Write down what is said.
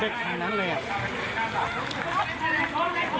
เป็นทางนั้นเลยอ่ะ